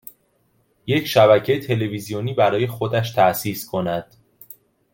یک شبکه تلویزیونی برای خودش تاسیس کند